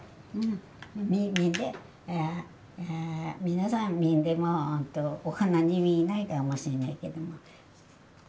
皆さん見てもお花に見えないかもしれないけど。